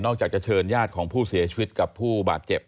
อกจากจะเชิญญาติของผู้เสียชีวิตกับผู้บาดเจ็บ